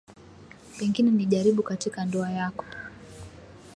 Pengine ni jaribu katika ndoa yako.